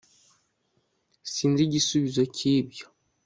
sinzi igisubizo cyibyo